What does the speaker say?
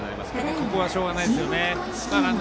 ここはしょうがないですね。